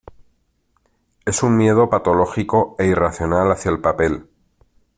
Es un miedo patológico e irracional hacia el papel.